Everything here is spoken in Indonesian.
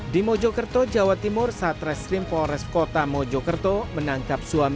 di mojokerto jawa timur saat restrim polres kota mojokerto menangkap suaminya